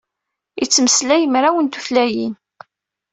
Ittmeslay mraw n tutlayin.